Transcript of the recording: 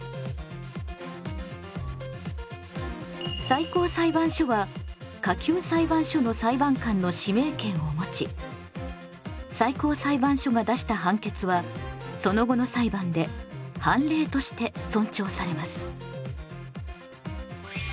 最高裁判所は下級裁判所の裁判官の指名権をもち最高裁判所が出した判決はその後の裁判で判例として尊重されます。